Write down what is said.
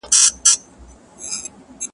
هسي نه چي زه در پسې ټولي توبې ماتي کړم,